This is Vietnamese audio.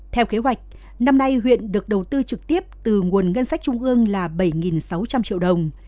theo kế hoạch năm nay huyện được đầu tư trực tiếp từ nguồn ngân sách trung ương là bảy sáu trăm linh triệu đồng